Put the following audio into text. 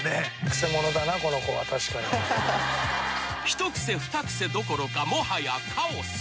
［一癖二癖どころかもはやカオス］